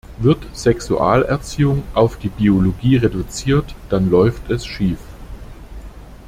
Wird Sexualerziehung auf die Biologie reduziert, dann läuft es schief.